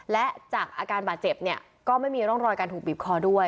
และจากอาการบาดเจ็บเนี่ยก็ไม่มีร่องรอยการถูกบีบคอด้วย